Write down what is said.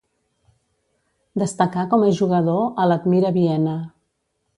Destacà com a jugador a l'Admira Viena.